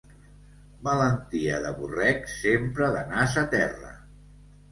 Valentia de borrec, sempre de nas a terra.